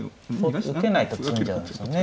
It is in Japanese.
うん？受けないと詰んじゃうんですよね。